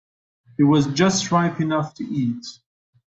It was just ripe enough to eat.